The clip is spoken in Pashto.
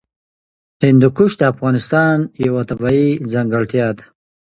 هندوکش د افغانستان یوه طبیعي ځانګړتیا ده.